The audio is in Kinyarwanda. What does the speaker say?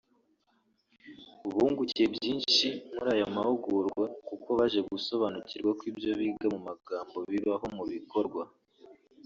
bungukiye byinshi muri aya marushanwa kuko baje gusobanukirwa ko ibyo biga mu magambo bibaho mu bikorwa